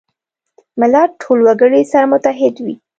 ملت ټول وګړي سره متحد وي.